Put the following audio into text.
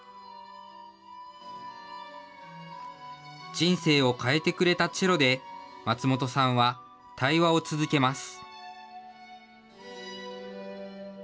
人生を変えてくれたチェロで、松本さんは対話を続けます。